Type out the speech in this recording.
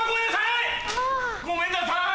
あぁごめんなさい！